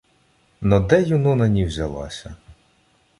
Но де Юнона ні взялася